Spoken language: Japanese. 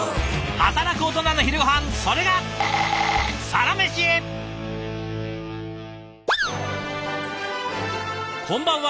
働くオトナの昼ごはんそれがこんばんは。